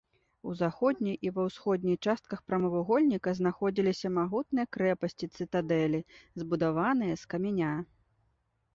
У заходняй і ва ўсходняй частках прамавугольніка знаходзіліся магутныя крэпасці-цытадэлі, збудаваныя з каменя.